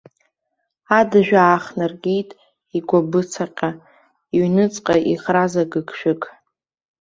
Адыжә аахнаргеит игәабыцаҟьа, иҩныҵҟа иӷраз агыгшәыг.